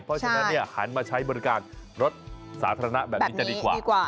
เพราะฉะนั้นหันมาใช้บริการรถสาธารณะแบบนี้จะดีกว่า